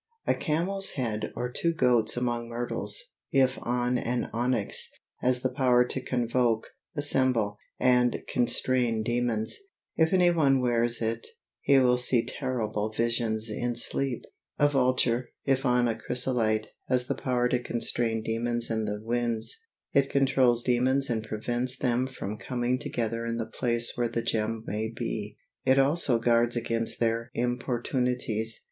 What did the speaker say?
A camel's head or two goats among myrtles, if on an onyx, has the power to convoke, assemble, and constrain demons; if any one wears it, he will see terrible visions in sleep. A vulture, if on a chrysolite, has the power to constrain demons and the winds. It controls demons and prevents them from coming together in the place where the gem may be; it also guards against their importunities.